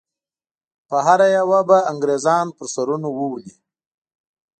په هره یوه به انګریزان پر سرونو وولي.